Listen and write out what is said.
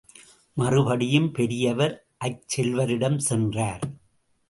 மறுபடியும் பெரியவர் அச்செல்வரிடஞ் சென்றார்.